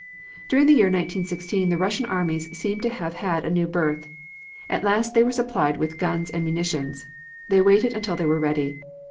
During the year 1916 the Russian armies seemed to have had a new birth. At last they were supplied with guns and munitions. They waited until they were ready.